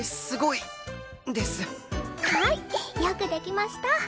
「はい！よくできました」